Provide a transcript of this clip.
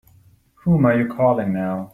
Whom are you calling now?